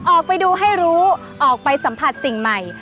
ออกไปดูให้รู้ออกไปสัมผัสสิ่งใหม่